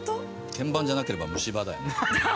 鍵盤じゃなければ虫歯だよね。